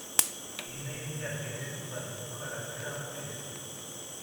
είναι η διατήρηση του δασικού χαρακτήρα αυτής